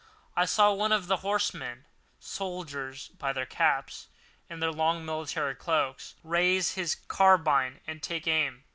I saw one of the horsemen (soldiers by their caps and their long military cloaks) raise his carbine and take aim.